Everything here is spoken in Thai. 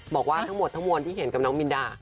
บอกว่าทั้งหมดทั้งมวลที่เห็นกับน้องมินดา